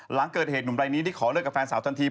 หลังเกิดเหตุหนุ่มรายนี้ได้ขอเลิกกับแฟนสาวทันที